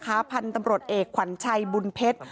ทั้งตำรวจนะคะพันธุ์ตำรวจเอกขวัญชัยบุญเพชร